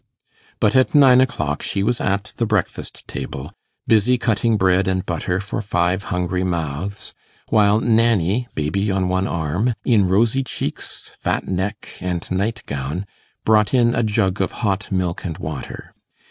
But at nine o'clock she was at the breakfast table, busy cutting bread and butter for five hungry mouths, while Nanny, baby on one arm, in rosy cheeks, fat neck, and night gown, brought in a jug of hot milk and water.